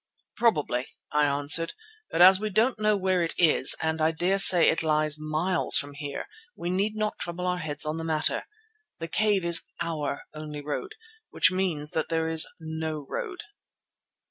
"Probably," I answered, "but as we don't know where it is and I dare say it lies miles from here, we need not trouble our heads on the matter. The cave is our only road, which means that there is no road."